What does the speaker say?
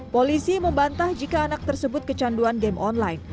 polisi membantah jika anak tersebut kecanduan game online